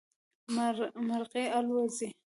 مرغی الوزي